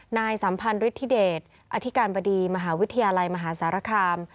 สัมพันธ์ฤทธิเดชอธิการบดีมหาวิทยาลัยมหาสารคาม